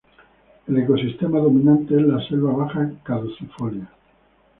El ecosistema dominante es la selva baja caducifolia.